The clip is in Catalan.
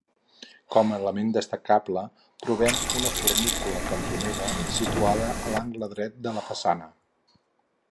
Com a element destacable trobem una fornícula cantonera situada a l'angle dret de la façana.